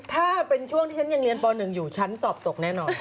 ถ้าเป็นช่วงที่ฉันยังเรียนป๑อยู่ฉันสอบตกแน่นอน